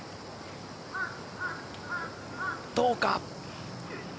どうか？